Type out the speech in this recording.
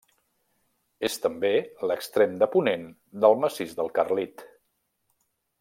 És també l'extrem de ponent del Massís del Carlit.